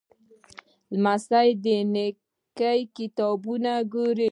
لمسی د نیکه کتابونه ګوري.